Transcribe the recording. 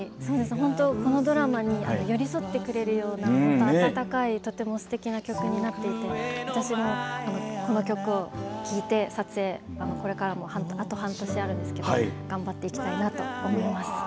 本当にこのドラマに寄り添ってくれるような温かいすてきな曲になっていて私も、この曲を聴いて撮影、これからもあと半年あるんですけど頑張っていきたいなと思います。